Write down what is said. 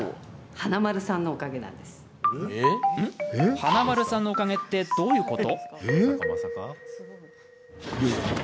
華丸さんのおかげってどういうこと？